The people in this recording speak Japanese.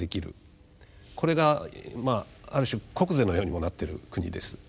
これがまあある種国是のようにもなってる国です。